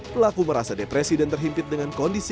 pelaku merasa depresi dan terhimpit dengan kondisi